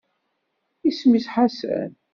Isem-is Ḥasan